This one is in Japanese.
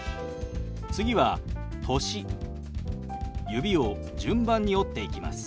指を順番に折っていきます。